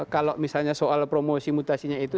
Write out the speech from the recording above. kalau misalnya soal promosi mutasinya itu